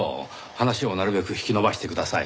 話をなるべく引き延ばしてください。